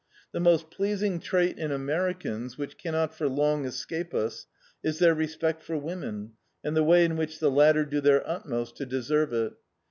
The most pleasing trait in Americans, which cannot for long escape us, is their respect for women and the way in which the latter do their utmost to deserve it.